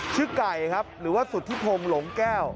ไก่ครับหรือว่าสุธิพงศ์หลงแก้ว